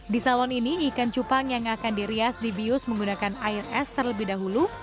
di salon ini ikan cupang yang akan dirias di bius menggunakan air es terlebih dahulu